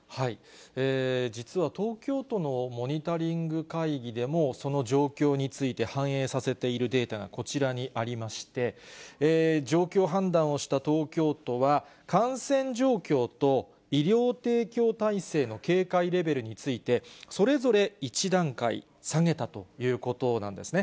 実は東京都のモニタリング会議でも、その状況について反映させているデータがこちらにありまして、状況判断をした東京都は、感染状況と医療提供体制の警戒レベルについて、それぞれ１段階下げたということなんですね。